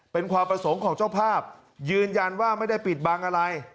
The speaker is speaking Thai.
เป็นความประสงค์ของเจ้าภาพยืนยันว่าไม่ได้ปิดบังอะไร